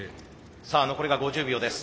さあ残りが５０秒です。